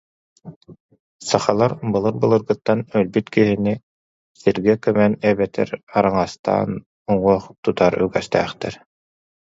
Сахалар былыр-былыргыттан өлбүт киһини сиргэ көмөн эбэтэр араҥастаан уҥуох тутар үгэстээхтэр